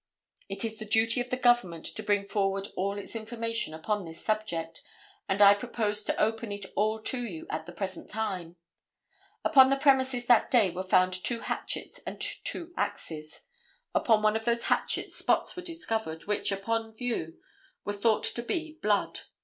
It is the duty of the Government to bring forward all its information upon this subject, and I propose to open it all to you at the present time. Upon the premises that day were found two hatchets and two axes. Upon one of those hatchets spots were discovered, which, upon view, were thought to be blood.